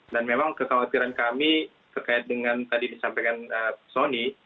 dan memang kekhawatiran kami terkait dengan tadi disampaikan soni